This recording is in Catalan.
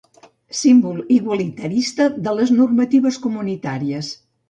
Símbol igualitarista de les normatives comunitàries.